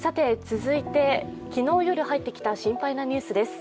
続いて昨日の夜入ってきた心配なニュースです。